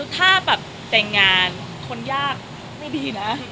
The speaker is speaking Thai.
ถ้าแบบแต่งงานคนยากไม่ดีนะ